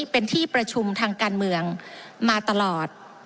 เป็นที่ประชุมทางการเมืองมาตลอด